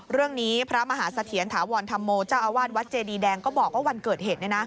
เรื่องนี้พระมหาสเถียนถาวรธรรมโมเจ้าอาวาสวัสดิ์เจดีแดงก็บอกว่าวันเกิดเหตุ